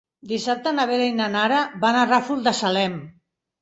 Dissabte na Vera i na Nara van al Ràfol de Salem.